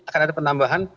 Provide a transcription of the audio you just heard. akan ada penambahan